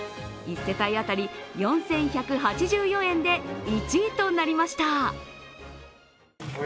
１世帯当たり４１８４円で１位となりました。